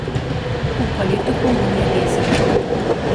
У палітыку мы не лезем.